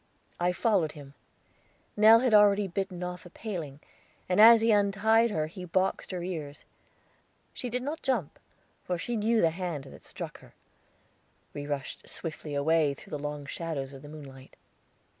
"I followed him. Nell had already bitten off a paling; and as he untied her he boxed her ears. She did not jump, for she knew the hand that struck her. We rushed swiftly away through the long shadows of the moonlight.